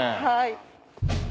はい。